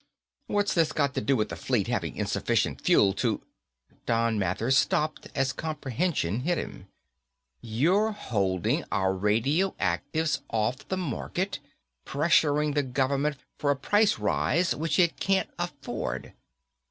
"What's this got to do with the Fleet having insufficient fuel to ..." Don Mathers stopped as comprehension hit him. "You're holding our radioactives off the market, pressuring the government for a price rise which it can't afford."